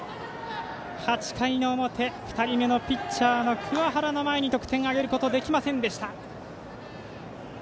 ８回の表、２人目のピッチャーの桑原の前に得点挙げることできませんでした。